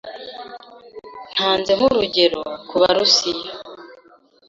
Ntanze nk'urugero, ku Barusiya,